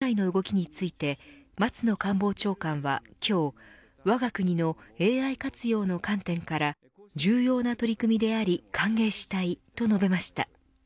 チャットＧＰＴをめぐるこうした国内の動きについて松野官房長官は今日わが国のＡＩ活用の観点から重要な取り組みであり歓迎したいと述べました。